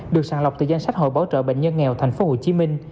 được sản lọc từ giang sách hội bảo trợ bệnh nhân nghèo tp hcm